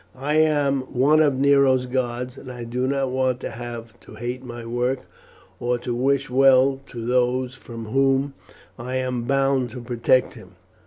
"I am one of Nero's guards, and I do not want to have to hate my work, or to wish well to those from whom I am bound to protect him.